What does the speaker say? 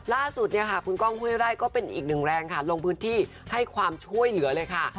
ล่าสุดเนี่ยค่ะคุณก้องห้วยไร่ก็เป็นอีกหนึ่งแรงค่ะลงพื้นที่ให้ความช่วยเหลือเลยค่ะ